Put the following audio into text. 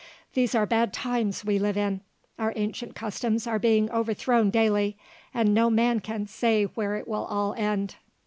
These are bad times we live in. Our ancient customs are being overthrown daily, and no man can say where it will all end."